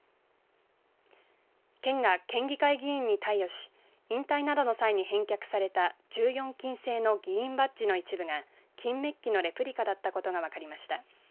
県が県議会議員に貸与し引退などの際に返却された１４金製の議員バッジの一部が金メッキのレプリカだったことが分かりました。